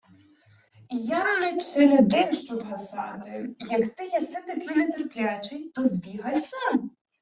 — Я-м не челядин, щоб гасати. Як ти єси такий нетерплячий, то збігай сам.